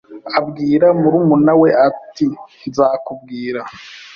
Abwira murumuna we ati: "Nzakubwira."